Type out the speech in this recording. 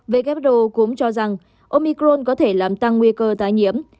về các đồ cũng cho rằng omicron có thể làm tăng nguy cơ tái nhiễm